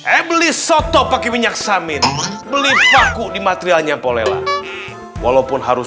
eh beli soto pakai minyak samin beli paku di materialnya polela walaupun harus